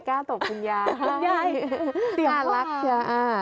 คุณยายสีอารักจ๊ะ